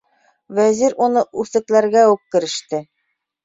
Вәзир уны үсекләргә үк кереште: